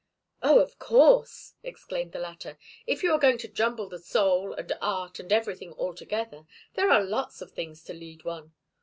"Oh, of course!" exclaimed the latter. "If you are going to jumble the soul, and art, and everything, all together, there are lots of things to lead one.